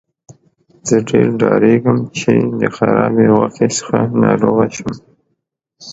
زه ډیر ډاریږم چې د خرابې غوښې څخه ناروغه شم.